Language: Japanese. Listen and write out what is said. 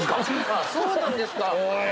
あぁそうなんですか。